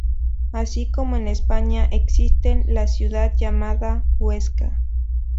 Así Como en España existe la ciudad llamada Huesca.